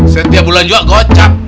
setiap bulan juga gocap